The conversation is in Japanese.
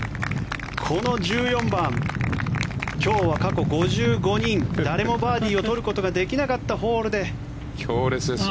この１４番、今日は過去５５人誰もバーディーを取ることができなかったホールです。